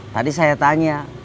tadi saya tanya